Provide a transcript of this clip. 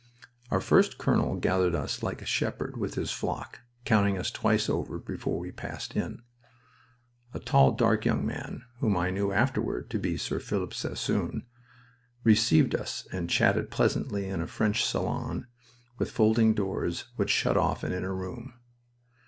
Our first colonel gathered us like a shepherd with his flock, counting us twice over before we passed in. A tall, dark young man, whom I knew afterward to be Sir Philip Sassoon, received us and chatted pleasantly in a French salon with folding doors which shut off an inner room.